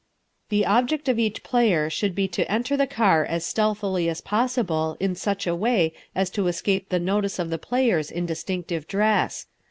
The object of each player should be to enter the car as stealthily as possible in such a way as to escape the notice of the players in distinctive dress.